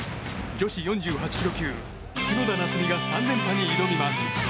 女子４８ｋｇ級角田夏実が３連覇に挑みます。